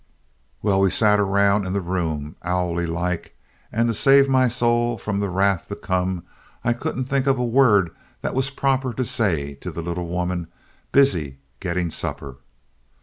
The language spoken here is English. Well, we sat around in the room, owly like, and to save my soul from the wrath to come, I couldn't think of a word that was proper to say to the little woman, busy getting supper.